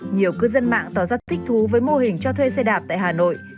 nhiều cư dân mạng tỏ ra thích thú với mô hình cho thuê xe đạp tại hà nội